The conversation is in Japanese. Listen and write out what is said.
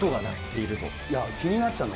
いや、気になってたの。